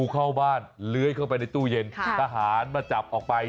เข้าบ้านเลื้อยเข้าไปในตู้เย็นทหารมาจับออกไป